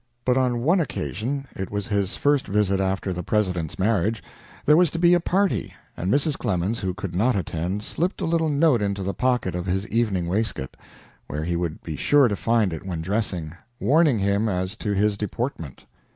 But on one occasion (it was his first visit after the President's marriage) there was to be a party, and Mrs. Clemens, who could not attend, slipped a little note into the pocket of his evening waistcoat, where he would be sure to find it when dressing, warning him as to his deportment.